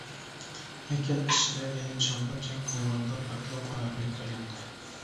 ھەيكەل ئىچىدە ئەينى چاغدا جەڭ قىلغاندا پارتلاپ خارابىلىككە ئايلاندى.